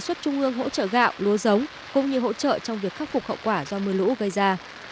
đề xuất trung ương hỗ trợ gạo lúa giống cũng như hỗ trợ trong việc khắc phục hậu quả do mưa lũ gây ra